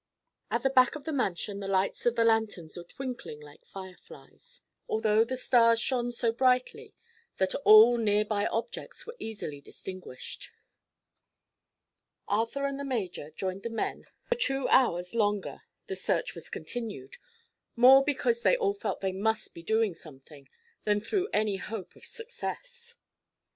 At the back of the mansion the lights of the lanterns were twinkling like fireflies, although the stars shone so brilliantly that all near by objects were easily distinguished. Arthur and the major joined the men and for two hours longer the search was continued—more because they all felt they must be doing something, than through any hope of success.